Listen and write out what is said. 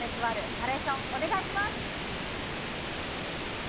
ナレーションお願いします。